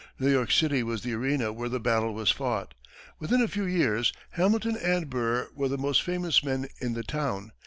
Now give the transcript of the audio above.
New York City was the arena where the battle was fought. Within a few years, Hamilton and Burr were the most famous men in the town.